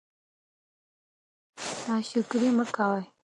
ناشکري مه کوئ.